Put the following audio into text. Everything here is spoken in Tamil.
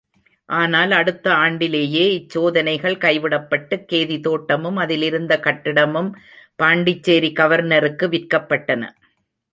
ஆனால் அடுத்த ஆண்டிலேயே இச் சோதனைகள் கைவிடப்பட்டுக் கேதி தோட்டமும் அதிலிருந்த கட்டிடமும் பாண்டிச்சேரி கவர்னருக்கு விற்கப்பட்டன.